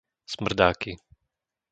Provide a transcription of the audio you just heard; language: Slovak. Smrdáky